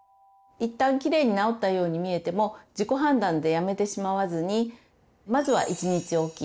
一旦きれいに治ったように見えても自己判断でやめてしまわずにまずは１日おき